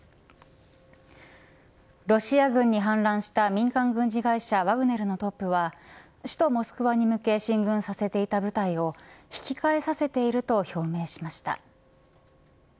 ロシア軍に反乱した民間軍事会社ワグネルのトップは首都モスクワに向け進軍させていた部隊を引き返させていると表明しました。